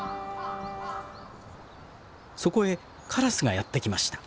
そこへカラスがやって来ました。